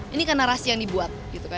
ini kan narasi yang dibuat